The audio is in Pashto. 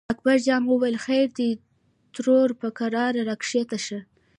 اکبر جان وویل: خیر دی ترور په کراره راکښته شه.